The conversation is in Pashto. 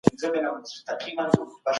پر مځکه د انسان شتون د خدای اراده وه.